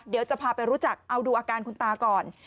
เดี๋ยวจะพาไปรู้จักเอาดูอาการคุณตาก่อน